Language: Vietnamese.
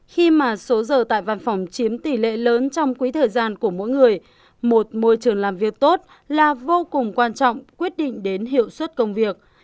khi mà số giờ tại văn phòng chiếm tỷ lệ lớn trong quý thời gian của mỗi người một môi trường làm việc tốt là vô cùng quan trọng quyết định đến hiệu suất công việc